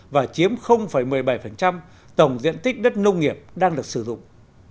và chiếm một mươi bảy tổng diện tích đất nông nghiệp đang được sử dụng